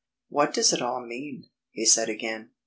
"What does it all mean?" he said again.